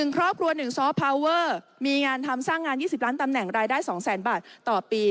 ครอบครัว๑ซ้อพาวเวอร์มีงานทำสร้างงาน๒๐ล้านตำแหน่งรายได้๒๐๐๐๐บาทต่อปี